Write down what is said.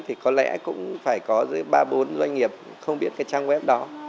thì có lẽ cũng phải có dưới ba bốn doanh nghiệp không biết cái trang web đó